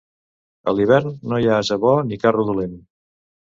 A l'hivern no hi ha ase bo ni carro dolent.